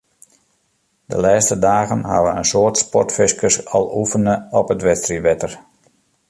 De lêste dagen hawwe in soad sportfiskers al oefene op it wedstriidwetter.